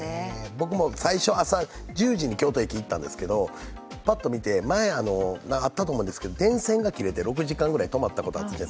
僕も最初、朝１０時に京都駅に行ったんですけど、ぱっと見て前、あったと思うんですけど、電線が切れて６時間ぐらい止まったことがありました。